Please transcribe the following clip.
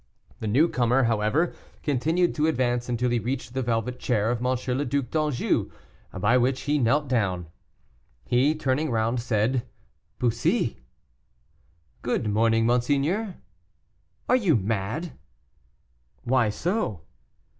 The newcomer, however, continued to advance until he reached the velvet chair of M. le Duc d'Anjou, by which he knelt down. He, turning round, said, "Bussy!" "Good morning, monseigneur." "Are you mad?" "Why so?"